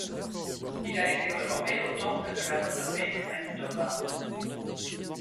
Il a été honoré au Temple de la renommée du Manitoba.